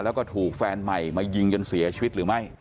แล้วก็ถูกแฟนใหม่มายิงจนเสียชีวิตหรือไม่